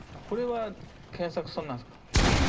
これは研作さんなんですか？